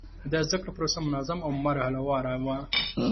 د زده کړې پروسه منظم او مرحله وار وه.